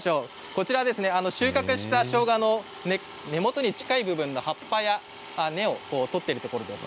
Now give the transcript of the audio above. こちら収穫したしょうがの根元に近い部分の葉っぱや根を取っているところです。